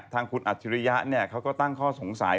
ทางคุณอัจฉริยะเขาก็ตั้งข้อสงสัย